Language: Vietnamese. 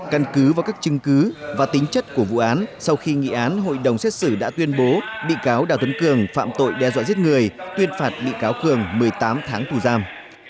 căn cứ vào các chứng cứ và tính chất của vụ án sau khi nghị án hội đồng xét xử đã tuyên bố bị cáo đào tuấn cường phạm tội đe dọa giết người tuyên phạt bị cáo cường một mươi tám tháng tù giam